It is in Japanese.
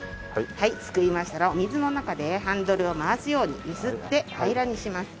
はいすくいましたらお水の中でハンドルを回すように揺すって平らにします。